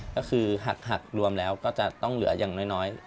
ก็คือหักรวมแล้วก็จะต้องเหลืออย่างน้อย